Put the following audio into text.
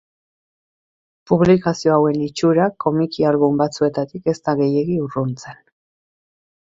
Publikazio hauen itxura Komiki album batzuetatik ez da gehiegi urruntze.